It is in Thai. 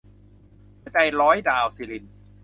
หัวใจร้อยดาว - สิริณ